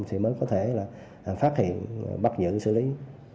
thì mới có thể là phát hiện bắt giữ xử lý